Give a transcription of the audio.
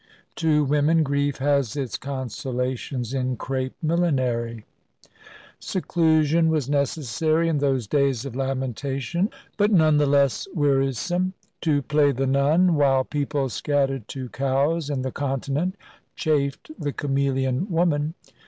To women, grief has its consolations in crape millinery. Seclusion was necessary in those days of lamentation, but none the less wearisome. To play the nun, while people scattered to Cowes and the Continent, chafed the chameleon woman.